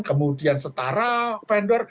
kemudian setara vendor